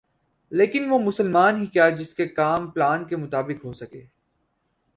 لیکن وہ مسلمان ہی کیا جس کے کام پلان کے مطابق ہوسک